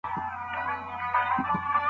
د زورواکۍ پای تل خراب وي.